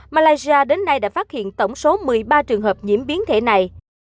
malaysia đến nay đã phát hiện tổng số một mươi ba trường hợp nhiễm biến thể này